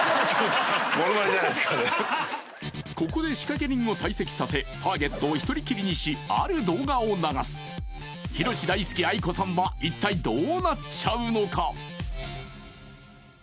ここで仕掛人を退席させターゲットを１人きりにしある動画を流すヒロシ大好き愛子さんは一体どうなっちゃうのか？